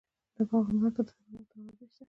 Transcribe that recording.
په افغانستان کې د تنوع منابع شته.